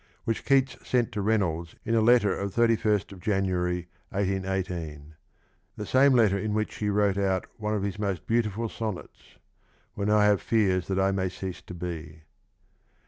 "^03), which Keats sent to Revnolds in a letter of 31st January, 181S — the same letter in wiiich he wrote out one of his most beautiful sonnets, " When I have fears that I may cease to be."